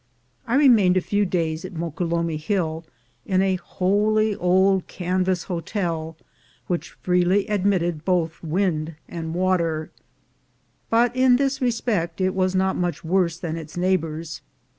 I remained a few days at Moquelumne Hill in a holey old canvas hotel, which freely admitted both wind and water; but in this respect it was not much worse than its neighbors.